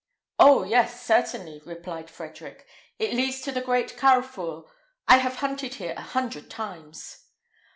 "Oh, yes, certainly," replied Frederick: "it leads to the great carrefour; I have hunted here a hundred times."